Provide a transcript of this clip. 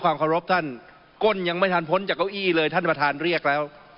ครับค่ะครับท่านกลอยังไม่ทันพนจากข้าวอี้เลยท่านไปท่านเรียกแล้ว